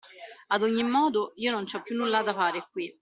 A ogni modo io non ci ho più nulla da fare qui!